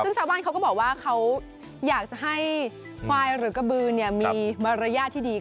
ซึ่งชาวบ้านเขาก็บอกว่าเขาอยากจะให้ควายหรือกระบือมีมารยาทที่ดี